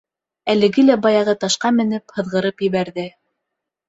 Әлеге лә баяғы ташҡа менеп, һыҙғырып ебәрҙе.